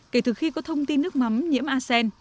kể từ khi có thông tin nước mắm nhiễm asean